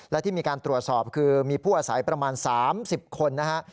และที่มีการตรวจสอบคือมีผู้อาศัยประมาณ๓๐คนนะฮะ